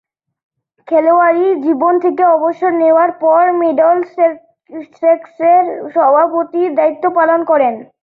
খেলোয়াড়ী জীবন থেকে অবসর নেয়ার পর মিডলসেক্সের সভাপতির দায়িত্ব পালন করেন।